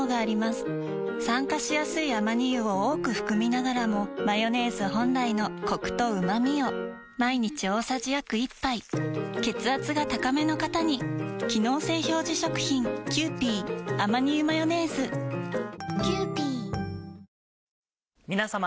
酸化しやすいアマニ油を多く含みながらもマヨネーズ本来のコクとうまみを毎日大さじ約１杯血圧が高めの方に機能性表示食品皆様。